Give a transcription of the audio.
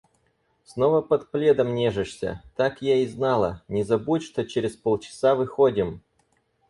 Снова под пледом нежишься? Так я и знала! Не забудь, что через полчаса выходим.